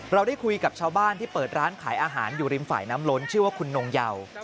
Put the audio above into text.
เราได้คุยกับชาวบ้านที่เปิดร้านขายอาหารอยู่ริมฝ่ายน้ำล้นชื่อว่าคุณนงเยา